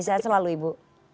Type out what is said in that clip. saya selalu ibu